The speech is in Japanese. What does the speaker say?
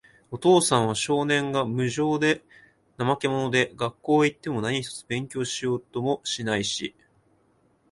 お父さんは、少年が、無精で、怠け者で、学校へいっても何一つ勉強しようともしないし、